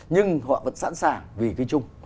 nhưng họ vẫn sẵn sàng vì cái chung